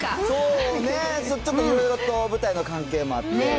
そうね、ちょっといろいろと舞台の関係もあって。